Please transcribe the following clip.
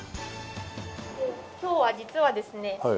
今日は実はですね